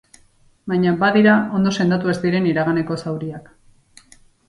Baina, badira, ondo sendatu ez diren iraganeko zauriak.